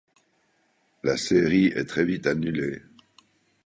La série est très vite annulée.